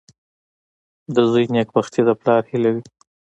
• د زوی نېکبختي د پلار هیله وي.